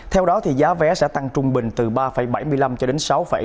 theo đó giá vé sẽ tăng trung bình từ ba bảy mươi năm cho đến sáu sáu mươi bảy